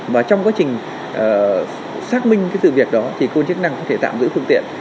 và trong quá trình xác minh cái sự việc đó thì cơ quan chức năng có thể tạm giữ phương tiện